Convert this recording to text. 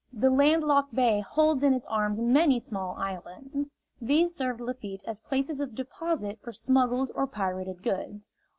The landlocked bay holds in its arms many small islands. These served Lafitte as places of deposit for smuggled or pirated goods.